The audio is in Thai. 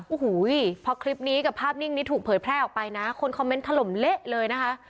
โอ้โหพอคลิปนี้กับภาพนิ่งนี้ถูกเผยแพร่ออกไปนะคนคอมเมนต์ถล่มเละเลยนะคะ